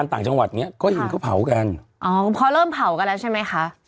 ต่างจังหวัดเนี้ยก็เห็นเขาเผากันอ๋อพอเริ่มเผากันแล้วใช่ไหมคะ